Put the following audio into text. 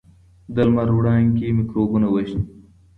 د لمر وړانګې میکروبونه وژني.